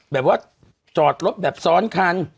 แบบว่าจอดรถแบบซ้อนคัน